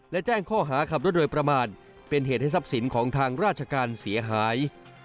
และแจ้งข้อหาขับรถโดยประมาทเป็นเหตุให้ทรัพย์สินของทางราชการเสียหาย